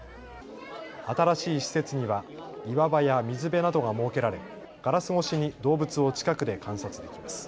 新しい施設には岩場や水辺などが設けられ、ガラス越しに動物を近くで観察できます。